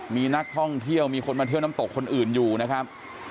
มีนักท่องเที่ยวมีคนมาเที่ยวน้ำตกคนอื่นอยู่นะครับ